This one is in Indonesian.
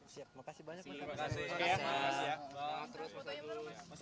siap makasih banyak mas